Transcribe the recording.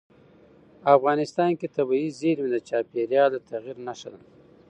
افغانستان کې طبیعي زیرمې د چاپېریال د تغیر نښه ده.